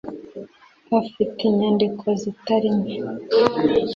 afite inyandiko zitari nke